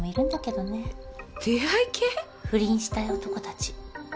不倫したい男たち。